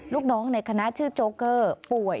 ลูกน้องในคณะชื่อโจ๊เกอร์ป่วย